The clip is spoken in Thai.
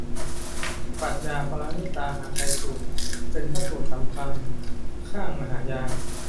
ปรัชญาปารมิตาหฤทัยสูตร เป็นพระสูตรสำคัญข้างมหายาน